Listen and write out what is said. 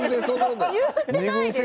言ってないです！